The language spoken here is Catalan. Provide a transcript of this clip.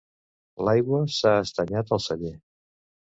L'aigua s'ha estanyat al celler.